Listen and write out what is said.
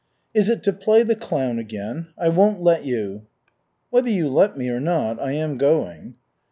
"Is it to play the clown again? I won't let you." "Whether you let me or not, I am going."